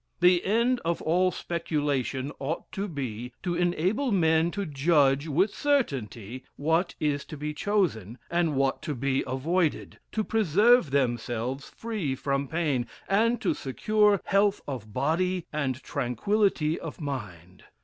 The end of all speculation ought to be, to enable men to judge with certainty what is to be chosen, and what to be avoided, to preserve themselves free from pain, and to secure health of body, and tranquillity of mind.